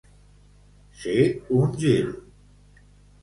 Ser un gil.